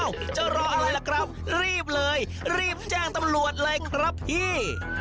จะรออะไรล่ะครับรีบเลยรีบแจ้งตำรวจเลยครับพี่